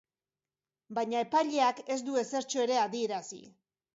Baina epaileak ez du ezertxo ere adierazi.